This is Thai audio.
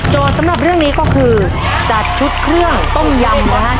สำหรับเรื่องนี้ก็คือจัดชุดเครื่องต้มยำนะฮะ